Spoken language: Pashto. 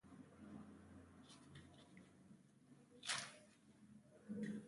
د بیلګې په توګه متفاوتې او ځانګړې جامې اغوستل کیږي.